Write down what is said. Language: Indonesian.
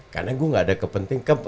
karena gue gak ada kepentingan